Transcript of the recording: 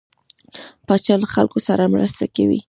پاچا له خلکو سره مرسته کوي.